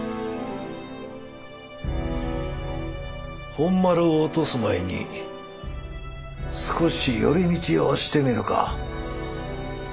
本丸を落とす前に少し寄り道をしてみるか。